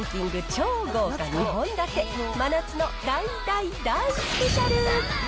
超豪華２本立て、真夏の大大大スペシャル。